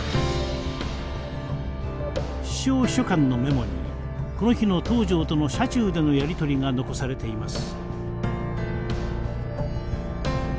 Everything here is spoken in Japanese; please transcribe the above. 首相秘書官のメモにこの日の東条との車中でのやり取りが残されています。